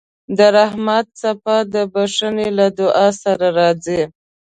د رحمت څپه د بښنې له دعا سره راځي.